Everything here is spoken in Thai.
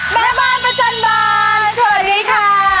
แม่บ้านประจันบานสวัสดีค่ะ